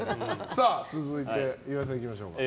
続いて、岩井さんいきましょう。